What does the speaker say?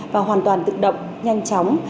và hoàn toàn tự động nhanh chóng